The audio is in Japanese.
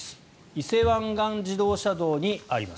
伊勢湾岸自動車道にあります。